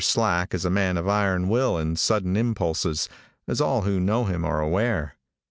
Slack is a man of iron will and sudden impulses, as all who know him are aware.